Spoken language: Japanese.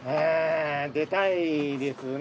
出たいですね